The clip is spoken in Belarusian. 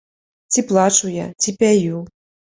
Ці плачу я, ці пяю?